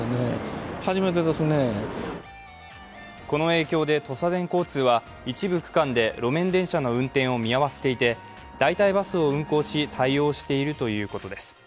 この影響でとさでん交通は一部区間で路面電車の運転を見合わせていて代替バスを運行し対応しているということです。